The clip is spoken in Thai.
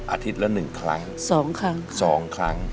อาทิตย์ละ๑ครั้ง๒ครั้ง